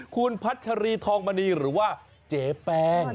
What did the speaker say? คุณพัชรีทองมณีหรือว่าเจแปง